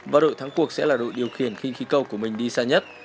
và đội thắng cuộc sẽ là đội điều khiển khinh khí cầu của mình đi xa nhất